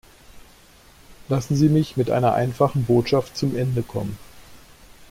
Lassen Sie mich mit einer einfachen Botschaft zum Ende kommen.